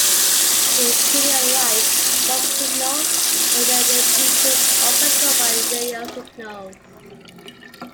It included a light, fog signal, and radiobeacon, all controlled by radio signals.